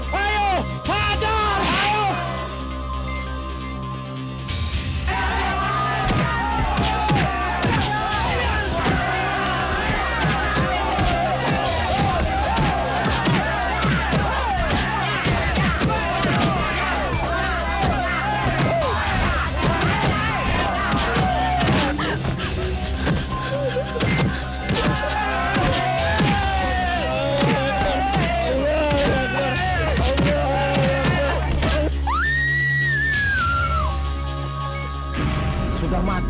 wah haji dikuburkan